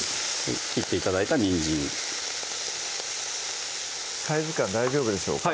切って頂いたにんじんサイズ感大丈夫でしょうか？